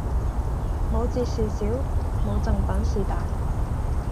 冇折事小，冇贈品事大